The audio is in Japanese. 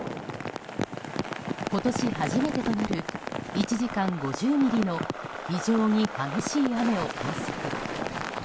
今年初めてとなる１時間５０ミリの非常に激しい雨を観測。